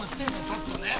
ちょっとねえ！